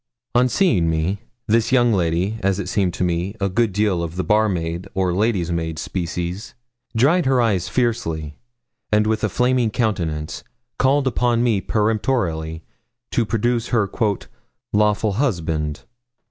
On seeing me, this young lady as it seemed to me, a good deal of the barmaid or lady's maid species dried her eyes fiercely, and, with a flaming countenance, called upon me peremptorily to produce her 'lawful husband.'